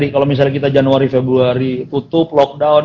kalau misalnya kita januari februari tutup lockdown